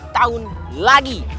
dua belas tahun lagi